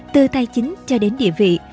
từ tài chính cho đến địa vị